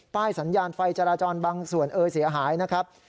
สัญญาณไฟจราจรบางส่วนเอ่ยเสียหายนะครับ